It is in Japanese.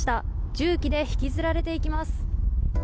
重機で引きずられていきます。